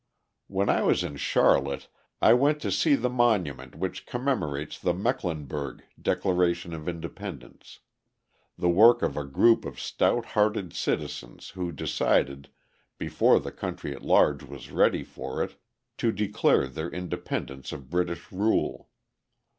When I was in Charlotte I went to see the monument which commemorates the Mecklenburg Declaration of Independence: the work of a group of stout hearted citizens who decided, before the country at large was ready for it, to declare their independence of British rule.